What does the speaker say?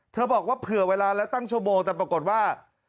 บอกว่าเผื่อเวลาแล้วตั้งชั่วโมงแต่ปรากฏว่า